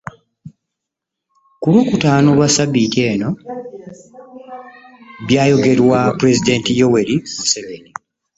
Ku Lwokutaano lwa Ssabbiiti eno, byayogerwaPulezidenti Yoweri Museveni